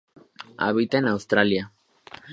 Habita en Australia,